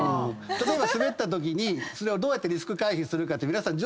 例えばスベったときにそれをどうやってリスク回避するかって皆さん。